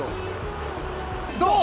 どう？